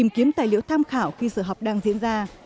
giữ tham khảo khi sửa học đang diễn ra